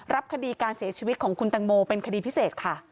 รับคดีการเสียชีวิตของคุณตังโมเป็นคดีพิเศษค่ะ